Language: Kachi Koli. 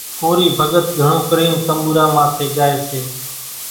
ڪورِي ڀڳت گھڻون ڪرينَ تنٻوُرا ماٿيَ ڳائيَ سي۔